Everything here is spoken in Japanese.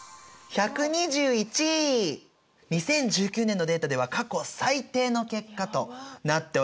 ２０１９年度のデータでは過去最低の結果となっております。